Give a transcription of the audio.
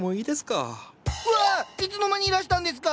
いつの間にいらしたんですか？